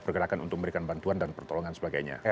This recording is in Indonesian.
pergerakan untuk memberikan bantuan dan pertolongan sebagainya